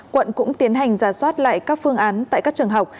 quận cũng tiến hành giả soát lại các phương án tại các trường học